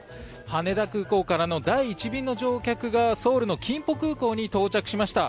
羽田空港からの第１便の乗客がソウルのキンポ空港に到着しました。